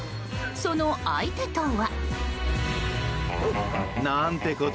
その相手とは。